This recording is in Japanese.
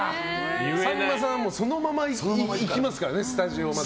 さんまさんはそのまま行きますからねスタジオまで。